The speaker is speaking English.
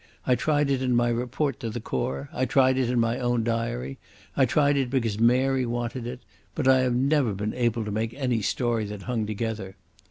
I tried it in my report to the Corps; I tried it in my own diary; I tried it because Mary wanted it; but I have never been able to make any story that hung together.